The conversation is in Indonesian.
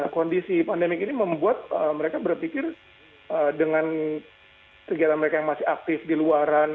kondisi pandemik ini membuat mereka berpikir dengan kegiatan mereka yang masih aktif di luaran